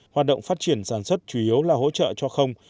hoạt động phát triển sản xuất chủ yếu là hỗ trợ cho không